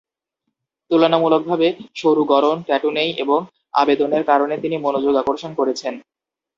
তুলনামূলকভাবে সরু গড়ন, ট্যাটু নেই এবং আবেদনের কারণে তিনি মনোযোগ আকর্ষণ করেছেন।